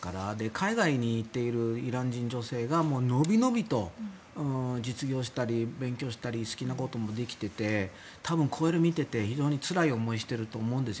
海外に行っているイラン人女性が伸び伸びと実業したり勉強したり好きなこともできていて多分これを見ていて非常につらい思いをしていると思うんです